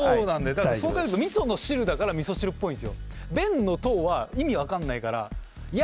だからそう考えると「味噌」の「汁」だから「味噌汁」っぽいんですよ。